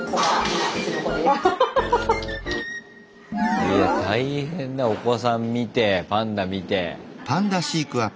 いや大変だお子さん見てパンダ見て。